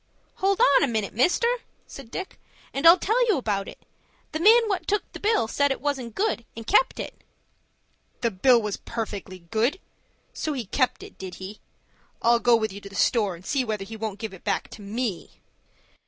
"Hold on a minute, mister," said Dick, "and I'll tell you all about it. The man what took the bill said it wasn't good, and kept it." "The bill was perfectly good. So he kept it, did he? I'll go with you to the store, and see whether he won't give it back to me."